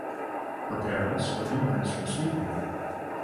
Her parents were immigrants from Sweden.